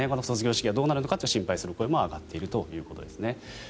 卒業式がどうなるかという心配する声も上がっているということです。